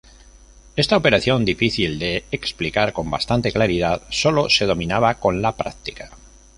Esta operación, difícil de explicar con bastante claridad, sólo se dominaba con la práctica.